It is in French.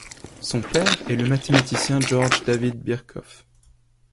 Son père est le mathématicien George David Birkhoff.